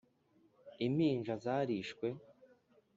Impinja zarishwe